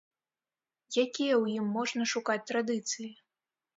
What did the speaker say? Якія ў ім можна шукаць традыцыі?